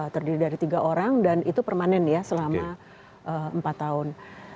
terdiri dari tiga orang dan itu permanen ya selama empat tahun